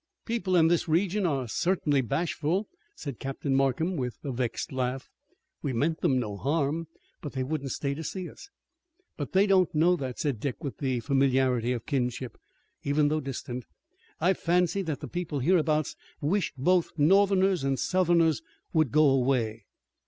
"People in this region are certainly bashful," said Captain Markham with a vexed laugh. "We meant them no harm, but they wouldn't stay to see us." "But they don't know that," said Dick with the familiarity of kinship, even though distant. "I fancy that the people hereabouts wish both Northerners and Southerners would go away."